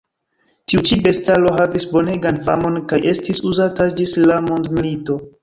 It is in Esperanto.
Tiu ĉi bestaro havis bonegan famon kaj estis uzata ĝis la mondmilito.